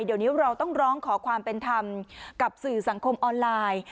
เดี๋ยวนี้เราต้องร้องขอความเป็นธรรมกับสื่อสังคมออนไลน์